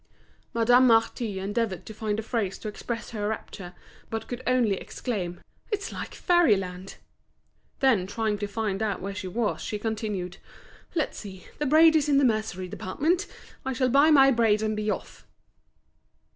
Madame Marty endeavoured to find a phrase to express her rapture, but could only exclaim, "It's like fairyland!" Then trying to find out where she was she continued: "Let's see, the braid is in the mercery department. I shall buy my braid and be off."